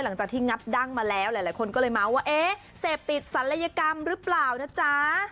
หลังจากที่งับดั้งมาแล้วหลายคนก็เลยเมาส์ว่าเอ๊ะเสพติดศัลยกรรมหรือเปล่านะจ๊ะ